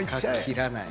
切らない。